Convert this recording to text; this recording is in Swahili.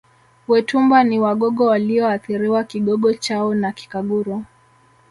Wetumba ni Wagogo walioathiriwa Kigogo chao na Kikaguru